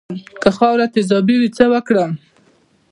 که خاوره تیزابي وي څه وکړم؟